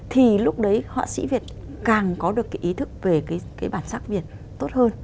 thì lúc đấy họa sĩ việt càng có được cái ý thức về cái bản sắc việt tốt hơn